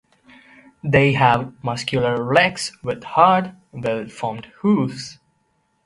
They have muscular legs with hard, well-formed hooves.